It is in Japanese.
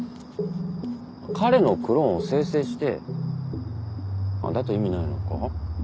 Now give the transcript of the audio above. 彼のクローンを生成してあっだと意味ないのか？